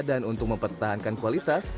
dan untuk mempertahankan kualitas